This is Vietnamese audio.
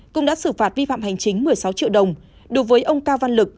cũng đã xử phạt vi phạm hành chính một mươi sáu triệu đồng đối với ông cao văn lực